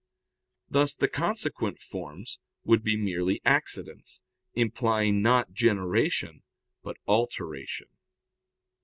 Thus the consequent forms would be merely accidents, implying not generation, but alteration.